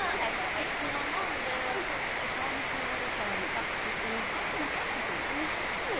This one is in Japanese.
私昨日飲んで今日ちょっと顔むくんでるからレタッチ分かった分かった小顔にしとく